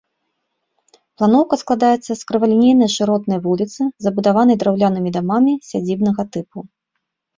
Планоўка складаецца з крывалінейнай шыротнай вуліцы, забудаванай драўлянымі дамамі сядзібнага тыпу.